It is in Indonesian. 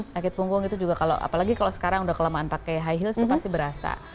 sakit punggung itu juga kalau apalagi kalau sekarang udah kelamaan pakai high heels itu pasti berasa